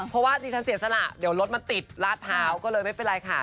เพราะว่าดิฉันเสียสละเดี๋ยวรถมันติดลาดพร้าวก็เลยไม่เป็นไรค่ะ